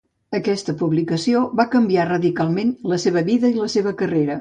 Aquesta publicació va canviar radicalment la seva vida i la seva carrera.